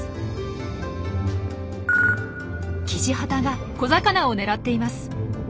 キジハタが小魚を狙っています。